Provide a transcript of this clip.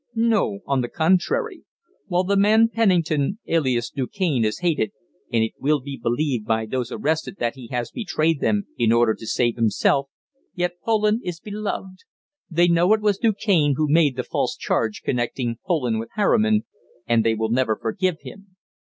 "No; on the contrary, while the man Pennington, alias Du Cane, is hated and it will be believed by those arrested that he has betrayed them in order to save himself yet Poland is beloved. They know it was Du Cane who made the false charge connecting Poland with Harriman, and they will never forgive him.